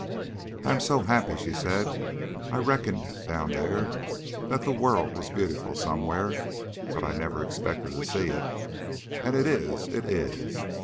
"I am so happy," she said. "I reckoned down there that the world was beautiful somewhere, but I never expected to see it. And it is, it is.